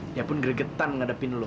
dia pun gregetan ngadepin lo